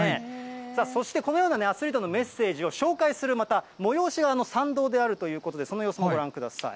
さあそしてこのようなアスリートのメッセージを紹介する催しが参道であるということで、その様子ご覧ください。